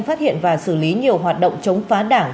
phát hiện và xử lý nhiều hoạt động chống phá đảng